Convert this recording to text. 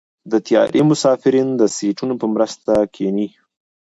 د طیارې مسافرین د سیټونو په مرسته کېني.